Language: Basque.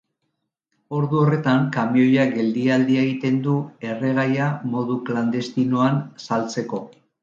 Ordu horretan, kamioiak geldialdia egin du, erregaia modu klandestinoan saltzeko.